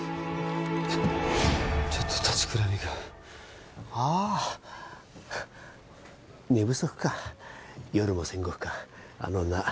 ちょっと立ちくらみがああ寝不足か夜も戦国かあの女